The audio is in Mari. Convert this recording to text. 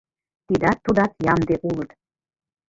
Тидат-тудат ямде улыт